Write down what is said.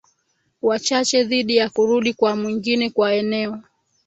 wachache dhidi ya kurudi kwa mwingine kwa eneo